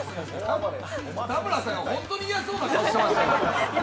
田村さん、ホントに嫌そうな顔してましたよ。